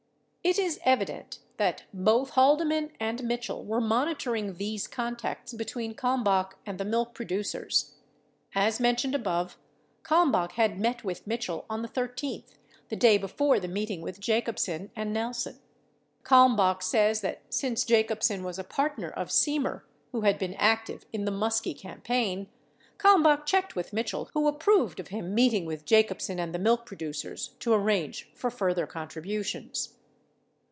40 It is evident that both Ilaldeman and Mitchell were monitoring these contacts between Kalmbach and the milk producers. As men tioned above, Kalmbach had met with Mitchell on the 13th, the day before the meeting with Jacobsen and Nelson. Kalmbach says that since J acobsen was a partner of Semer, who had been active in the Muskie campaign, Kalmbach checked with Mitchell who approved of him meeting with Jacobsen and the milk producers to arrange for fur ther contributions.